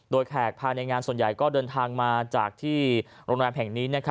โดยแขกภายในงานส่วนใหญ่ก็เดินทางมาจากที่โรงแรมแห่งนี้